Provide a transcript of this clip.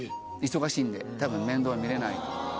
忙しいんで多分面倒見れない。